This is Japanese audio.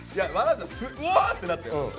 「うわ！」ってなったよ